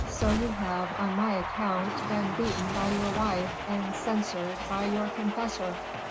so you have, on my account, been beaten by your wife and censured by your confessor."